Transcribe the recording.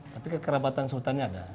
tapi kekerabatan sultannya ada